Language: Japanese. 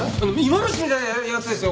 芋虫みたいなやつですよ